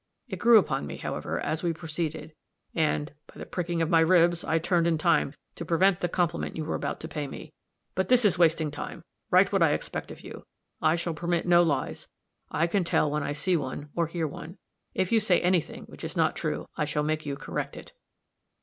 It grew upon me, however, as we proceeded, and 'by the pricking of my ribs,' I turned in time to prevent the compliment you were about to pay me. But this is wasting time. Write what I expect of you. I shall permit no lies. I can tell when I see one, or hear one. If you say any thing which is not true, I shall make you correct it."